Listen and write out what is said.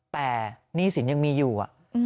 แต่หนี้สินยังมีอยู่